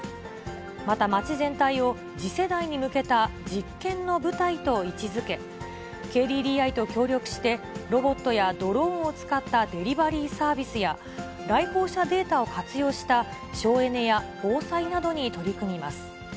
また、街全体を次世代に向けた実験の舞台と位置づけ、ＫＤＤＩと協力して、ロボットやドローンを使ったデリバリーサービスや、来訪者データを活用した省エネや防災などに取り組みます。